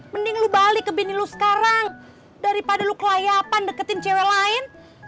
mending lu balik ke bini lo sekarang daripada lu kelayapan deketin cewek lain